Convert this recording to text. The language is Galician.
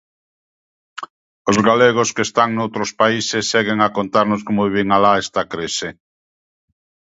Os galegos que están noutros países seguen a contarnos como viven alá esta crise.